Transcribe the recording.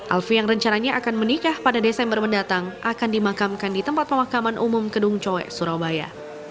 alfie yang rencananya akan menikah pada desember mendatang akan dimakamkan di tempat pemakaman umum kedung coek surabaya